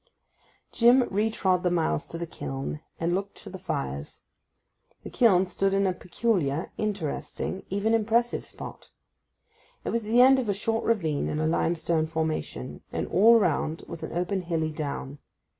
Jim retrod the miles to the kiln, and looked to the fires. The kiln stood in a peculiar, interesting, even impressive spot. It was at the end of a short ravine in a limestone formation, and all around was an open hilly down.